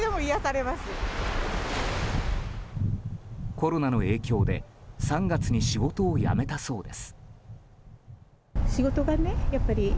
コロナの影響で３月に仕事を辞めたそうです。